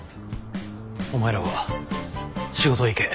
お前らは仕事へ行け。